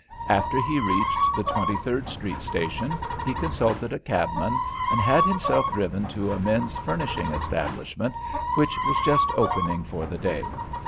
After he reached the Twenty third Street station, he consulted a cabman, and had himself driven to a men's furnishing establishment which was just opening for the day.